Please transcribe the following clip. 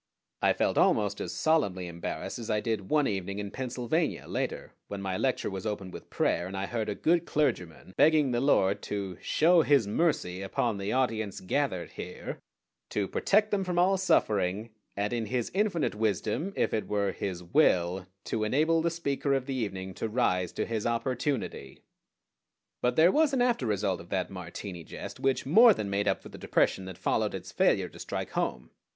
I felt almost as solemnly embarrassed as I did one evening in Pennsylvania, later, when my lecture was opened with prayer and I heard a good clergyman begging the Lord to "show His mercy upon the audience gathered here," to "protect them from all suffering, and in His infinite wisdom, if it were His will, to enable the speaker of the evening to rise to his opportunity." But there was an after result of that Martini jest which more than made up for the depression that followed its failure to strike home.